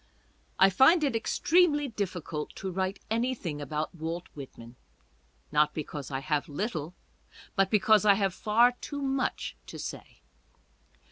I find it extremely difficult to write anything about Walt Whitman : not because I have little, but because I have far too much to say.